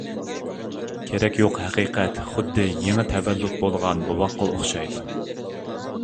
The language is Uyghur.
كېرەك يوق ھەقىقەت خۇددى يېڭى تەۋەللۇت بولغان بوۋاققا ئوخشايدۇ.